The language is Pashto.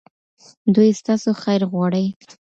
دوی ستاسو خیر غواړي.